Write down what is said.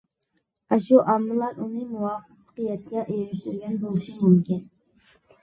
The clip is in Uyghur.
ئاشۇ ئامىللار ئۇنى مۇۋەپپەقىيەتكە ئېرىشتۈرگەن بولۇشى مۇمكىن.